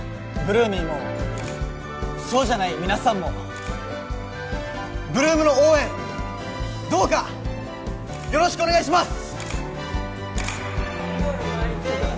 ８ＬＯＯＭＹもそうじゃない皆さんも８ＬＯＯＭの応援どうかよろしくお願いします！